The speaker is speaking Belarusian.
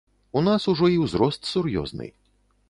У нас ужо і ўзрост сур'ёзны.